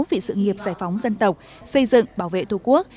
vì sự nghiệp giải phóng dân tộc xây dựng bảo vệ thu quốc